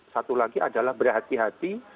satu lagi adalah berhati hati